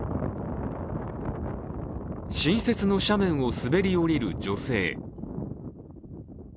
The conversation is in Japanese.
新雪の斜面を滑り降りる女性。